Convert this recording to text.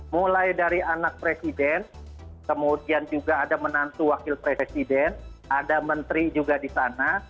mulai dari anak presiden kemudian juga ada menantu wakil presiden ada menteri juga di sana